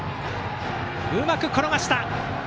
うまく転がした。